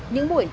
những buổi sáng